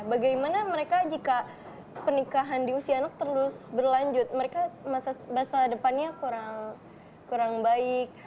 bagaimana mereka jika pernikahan di usia anak terus berlanjut mereka masa depannya kurang baik